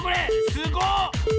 すごっ！